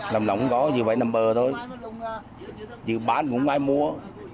lòng lỏng có gì vậy nằm bờ thôi chỉ bán cũng ai mua